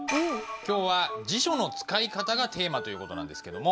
今日は辞書の使い方がテーマという事なんですけども。